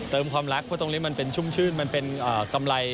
เป็นความรักเพราะต้นเล็กมันชุ่มชื่นกำไร